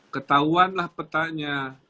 ketahuan lah petanya